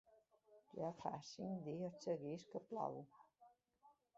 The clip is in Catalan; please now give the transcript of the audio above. Ja fa cinc dies seguits que plou.